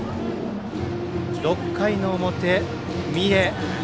６回の表、三重。